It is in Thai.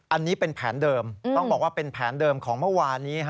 อันนี้เป็นแผนเดิมต้องบอกว่าเป็นแผนเดิมของเมื่อวานนี้